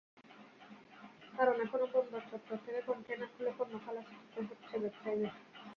কারণ, এখনো বন্দর চত্বর থেকে কনটেইনার খুলে পণ্য খালাস নিতে হচ্ছে ব্যবসায়ীদের।